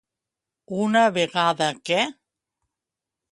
Una vegada que.